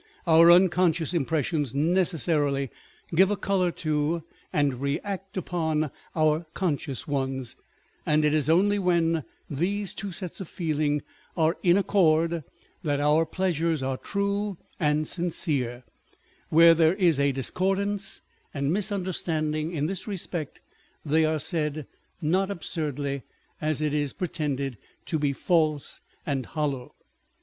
Our unconscious impres sions necessarily give a colour to, and re act upon our conscious ones ; and it is only when these two sets of feeling are in accord, that our pleasures are true and sincere ; where there is a discordance and misunderstand ing in this respect, they are said (not absurdly as is pre 2 K 498 On Depth and Superficiality. tended) to be false and hollow.